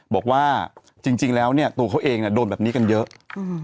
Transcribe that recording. บอกว่าจริงจริงแล้วเนี้ยตัวเขาเองน่ะโดนแบบนี้กันเยอะอืม